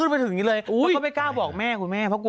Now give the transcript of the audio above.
เพื่อนก็ออกมาฟึก